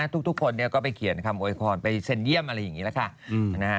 ทุกคนก็ไปเขียนคำโวยพรไปเซ็นเยี่ยมอะไรอย่างนี้แหละค่ะ